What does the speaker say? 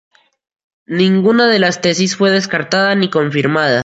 Ninguna de las tesis fue descartada ni confirmada.